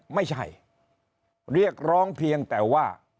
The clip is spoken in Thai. ไม่ใช่เรียกร้องเพียงแต่ว่า